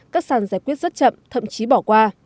các sàn giải quyết rất chậm thậm chí bỏ qua